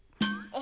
え？